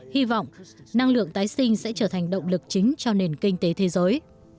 hy vọng năng lượng tái sinh sẽ trở thành động lực chính cho nền kinh tế thế giới